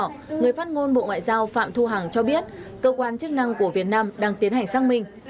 người phát ngôn bộ ngoại giao phạm thu hằng cho biết cơ quan chức năng của việt nam đang tiến hành sang mình